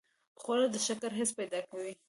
خوړل د شکر حس پیدا کوي